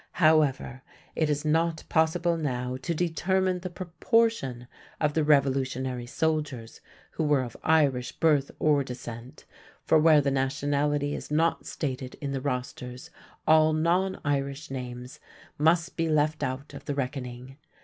However, it is not possible now to determine the proportion of the Revolutionary soldiers who were of Irish birth or descent, for where the nationality is not stated in the rosters all non Irish names must be left out of the reckoning.